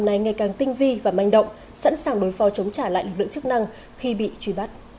ngày càng tinh vi và manh động sẵn sàng đối phó chống trả lại lực lượng chức năng khi bị truy bắt